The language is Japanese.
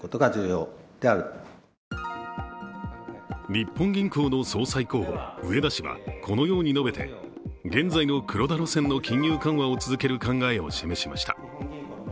日本銀行の総裁候補、植田氏はこのように述べて現在の黒田路線の金融緩和を続ける考えを示しました。